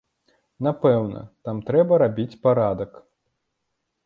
Напэўна, там трэба рабіць парадак.